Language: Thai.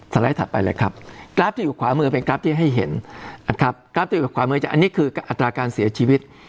ไลด์ถัดไปเลยครับกราฟที่อยู่ขวามือเป็นกราฟที่ให้เห็นนะครับกราฟที่อยู่ขวามือจะอันนี้คืออัตราการเสียชีวิต